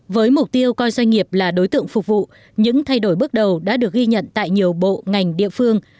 với mục tiêu coi doanh nghiệp là đối tượng phục vụ những thay đổi bước đầu đã được ghi nhận tại nhiều bộ ngành địa phương